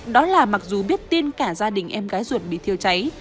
đó là mặc dù biết tin cả gia đình em gái ruột bị thiêu cháy